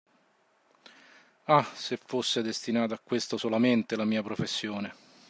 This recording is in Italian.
Ah se fosse destinata a questo solamente la mia professione!